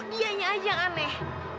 dianya aja yang aneh